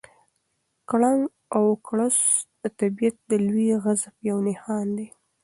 کړنګ او کړوس د طبیعت د لوی غضب یو نښان دی.